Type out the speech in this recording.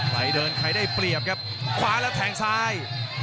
ใครเดินใครได้เปรียบครับขวาแล้วแทงซ้าย